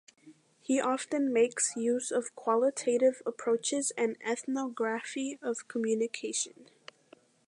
He often makes use of qualitative approaches and Ethnography of Communication.